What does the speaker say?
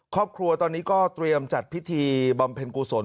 ครอบครัวตอนนี้ก็เตรียมจัดพิธีบำเพ็ญกุศล